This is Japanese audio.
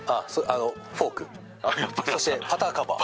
フォークそしてパターカバー。